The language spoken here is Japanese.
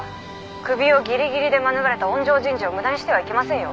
クビをぎりぎりで免れた温情人事を無駄にしてはいけませんよ。